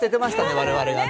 我々がね。